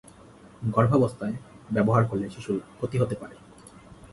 গর্ভাবস্থায় ব্যবহার করলে শিশুর ক্ষতি হতে পারে।